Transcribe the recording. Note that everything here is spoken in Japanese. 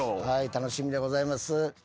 楽しみでございます。